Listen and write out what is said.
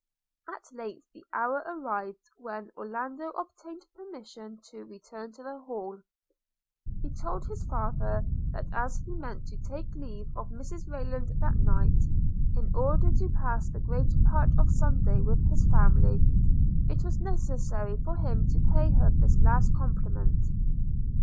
At length the hour arrived when Orlando obtained permission to return to the Hall: he told his father, that as he meant to take leave of Mrs Rayland that night, in order to pass the greater part of Sunday with his family, it was necessary for him to pay her this last compliment.